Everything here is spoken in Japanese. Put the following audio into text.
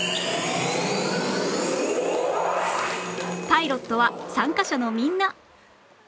パイロットは参加者のみんな！